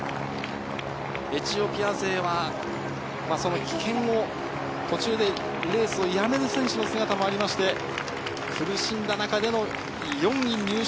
エチオピア勢は途中でレースをやめる選手の姿もありまして、苦しんだ中での４位入賞。